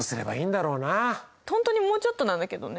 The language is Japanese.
ほんとにもうちょっとなんだけどね。